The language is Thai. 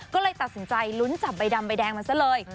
ก็เลยตัดสินใจลุ้นจับใบดำใบแดงมันซะเลย